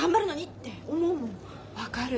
分かる。